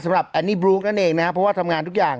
สำหรับแอนนี่บรู๊กนั่นเองนะเพราะว่าทำงานทุกอย่าง